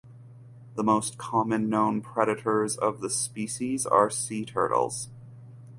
The most common known predators of the species are sea turtles.